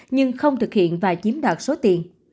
nhưng không thực hiện và chiếm đoạt số tiền